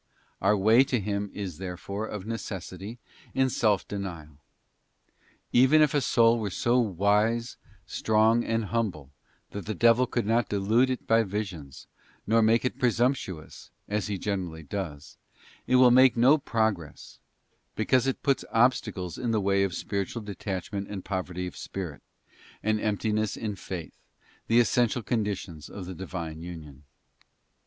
Our way to Him is therefore, of necessity, in self denial. Even if a soul were so wise, strong, and humble that the devil could not delude it by visions, nor make it presumptuous, as he generally does, it will make no pro gress, because it puts obstacles in the way of spiritual detachment and poverty of spirit, and emptiness in faith, the essential conditions of the Divine union.